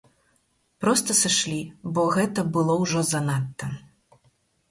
Проста сышлі, бо гэта было ўжо занадта.